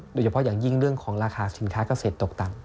โดยเฉพาะอย่างยิ่งเรื่องของราคาสินค้าเกษตรตกต่ำ